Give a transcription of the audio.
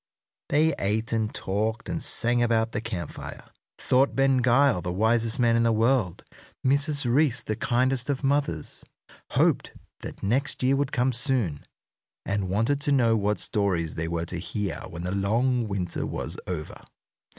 They ate and talked and sang about the camp fire, thought Ben Gile the wisest man in the world, Mrs. Reece the kindest of mothers, hoped that next year would come soon, and wanted to know what stories they were to hear when the long winter was over.